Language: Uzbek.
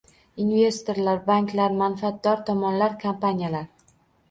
Investorlar, banklar, manfaatdor tomonlar, kompaniyalar